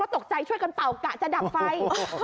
ก็ตกใจช่วยกาดดับไฟ